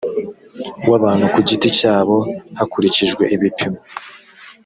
w abantu ku giti cyabo hakurikijwe ibipimo